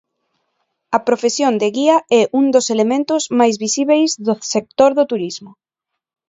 A profesión de guía é un dos elementos máis visíbeis do sector do turismo.